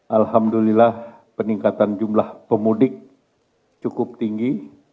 alhamdulillah peningkatan jumlah pemudik cukup tinggi